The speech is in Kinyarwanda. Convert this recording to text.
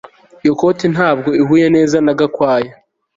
Iyo koti ntabwo ihuye neza na Gakwaya